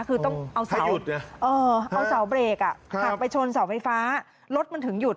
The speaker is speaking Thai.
คือต้องเอาเสาหยุดเอาเสาเบรกหักไปชนเสาไฟฟ้ารถมันถึงหยุด